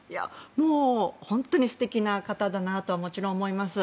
もう本当に素敵な方だなとはもちろん思います。